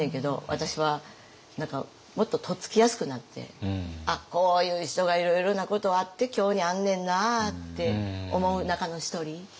私は何かもっととっつきやすくなってあっこういう人がいろいろなことあって今日にあんねんなあって思う中の一人。